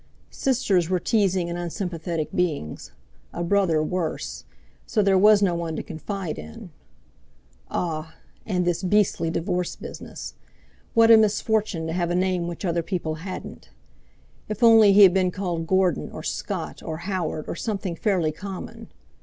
Sisters were teasing and unsympathetic beings, a brother worse, so there was no one to confide in. Ah! And this beastly divorce business! What a misfortune to have a name which other people hadn't! If only he had been called Gordon or Scott or Howard or something fairly common!